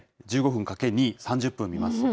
１５分かけ２、３０分見ます。